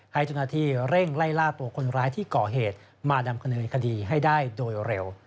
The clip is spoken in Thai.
ให้เจ้าหน้าที่เร่งไล่ล่าตัวคนร้ายที่ก่อเหตุมาดำเนินคดีให้ได้โดยเร็ว